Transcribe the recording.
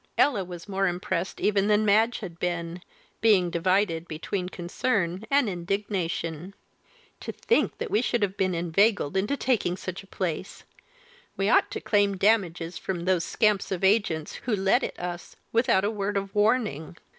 Ella was more impressed even than Madge had been being divided between concern and indignation. "To think that we should have been inveigled into taking such a place! We ought to claim damages from those scamps of agents who let it us without a word of warning.